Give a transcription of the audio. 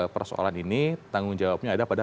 persoalan ini tanggung jawabnya ada pada